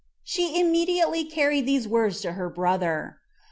But she immediately carried these words to her brother.